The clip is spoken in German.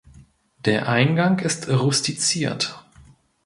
Der Eingang ist rustiziert.